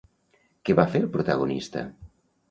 Què va fer el protagonista?